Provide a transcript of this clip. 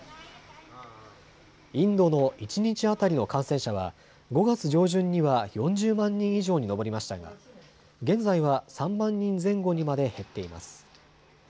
インドの一日当たりの感染者は５月上旬には４０万人以上に上りましたが現在は３万人前後にまで減っています。